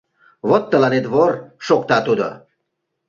— Вот тыланет вор! — шокта тудо.